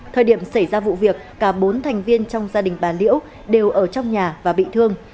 thời điểm xảy ra vụ việc cả bốn thành viên trong gia đình bà liễu đều ở trong nhà và bị thương